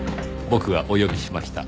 僕がお呼びしました。